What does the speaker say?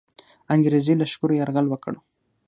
انګرېزي لښکرو یرغل وکړ.